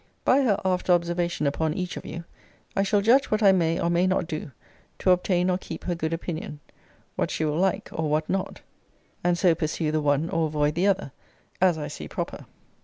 By her after observation upon each of you, I shall judge what I may or may not do to obtain or keep her good opinion; what she will like, or what not; and so pursue the one or avoid the other, as I see proper.